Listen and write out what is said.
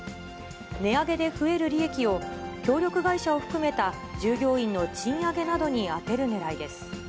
値上げで増える利益を協力会社を含めた従業員の賃上げなどに充てるねらいです。